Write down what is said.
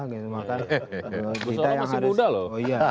gusola masih muda loh